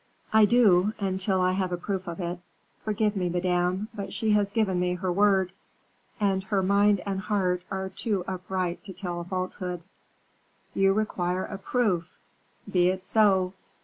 "I do, until I have a proof of it. Forgive me, Madame, but she has given me her word; and her mind and heart are too upright to tell a falsehood." "You require a proof! Be it so.